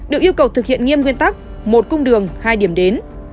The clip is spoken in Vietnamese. được yêu cầu thực hiện nghiêm nguyên tắc một cung đường hai điểm đến